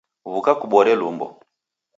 W'uka kubore lumbo